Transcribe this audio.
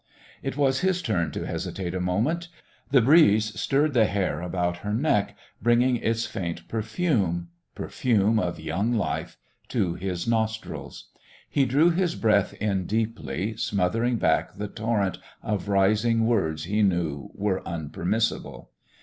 It was his turn to hesitate a moment. The breeze stirred the hair about her neck, bringing its faint perfume perfume of young life to his nostrils. He drew his breath in deeply, smothering back the torrent of rising words he knew were unpermissible.